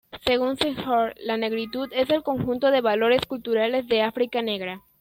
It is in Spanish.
Según Senghor, la negritud es "el conjunto de valores culturales de África negra".